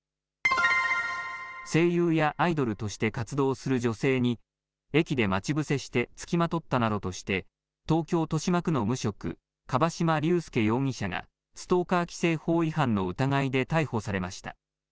声優やアイドルとして活動する女性に駅で待ち伏せして付きまとったなどとして東京、豊島区の無職樺島隆介容疑者がストーカー規制法違反の疑いで逮捕されました。